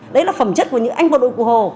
đấy là phẩm chất của những anh bộ đội cụ hồ